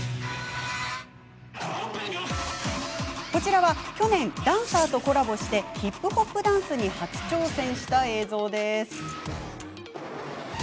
こちらは去年、ダンサーとコラボしてヒップホップダンスに初挑戦した映像。